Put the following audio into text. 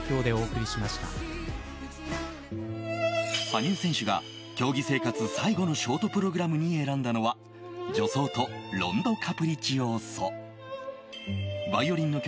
羽生選手が競技生活最後のショートプログラムに選んだのは「序奏とロンド・カプリチオーソ」。